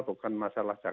bukan masalah kesehatan